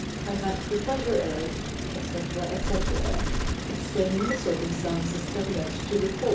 I had the pleasure of," &c., &c., explaining the circumstances that led to the call.